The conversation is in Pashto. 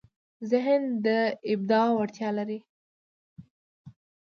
ذهن د ابداع وړتیا لري.